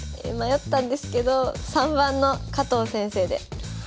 迷ったんですけど３番の加藤先生で。